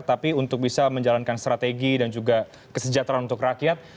tapi untuk bisa menjalankan strategi dan juga kesejahteraan untuk rakyat